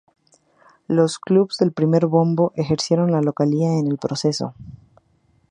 Los clubes del primer bombo ejercieron la localía en el proceso.